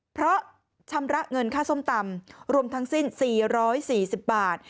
เพราะชำระเงินค่าส้มตำรวมทั้งสิ้น๔๔๐บาท